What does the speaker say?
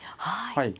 はい。